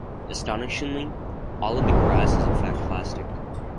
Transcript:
Astonishingly, all of the grass is in fact plastic.